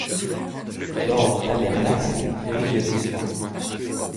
L'or du tabernacle brille doucement.